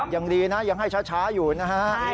ยังดีนะยังให้ช้าอยู่นะฮะ